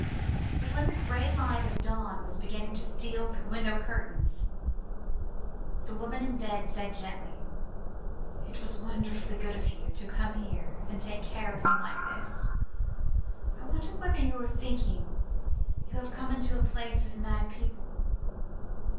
But when the grey light of dawn was beginning to steal through the window curtains, the woman in the bed said gently: "It was wonderfully good of you to come here and take care of me like this. I wonder whether you are thinking you have come into a place of mad people?"